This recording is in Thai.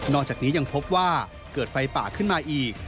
อกจากนี้ยังพบว่าเกิดไฟป่าขึ้นมาอีก